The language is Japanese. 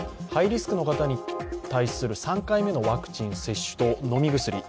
ハイリスクの方に対する３回目のワクチン接種と飲み薬